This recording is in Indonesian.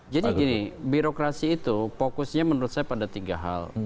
jadi gini birokrasi itu fokusnya menurut saya pada tiga hal